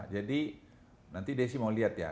jadi nanti desi mau lihat ya